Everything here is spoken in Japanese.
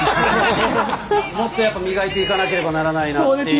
もっとやっぱ磨いていかなければならないなっていう。